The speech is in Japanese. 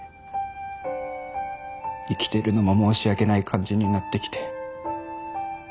生きてるのも申し訳ない感じになってきて。